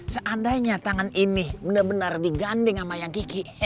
seandainya tangan ini benar benar digandeng sama yang kiki